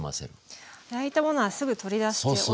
焼いたものはすぐ取り出しておいておく。